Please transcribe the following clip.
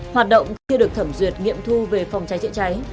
hoạt động chưa được thẩm duyệt nghiệm thu về phòng cháy chữa cháy